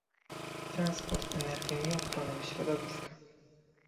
transport, energię i ochronę środowiska